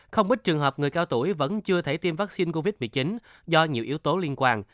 không ít trường hợp người cao tuổi vẫn chưa thể tiêm vaccine covid một mươi chín do nhiều yếu tố liên quan